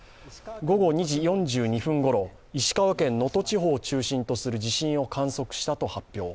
午後２時４２分ごろ石川県の能登地方中心とする地震を観測したと発表。